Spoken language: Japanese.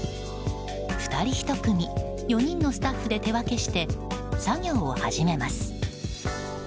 ２人１組、４人のスタッフで手分けして作業を始めます。